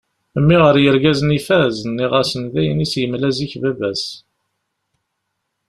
Mmi ɣer yirgazen ifaz, nniɣ-asen d ayen i as-yemla zik baba-s.